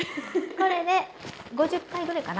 これで５０回ぐらいかな。